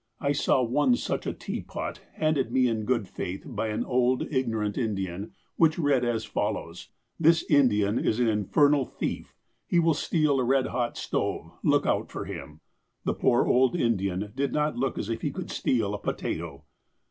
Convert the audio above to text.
I saw once such a " teapot" handed me in good faith by an old, ignorant Indian, which read as follows :^' This Indian is an infernal thief. He will steal a red hot stove. Look out for him." The poor old Indian did not look as if he could steal a potato.